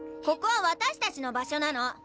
ここは私たちの場所なの！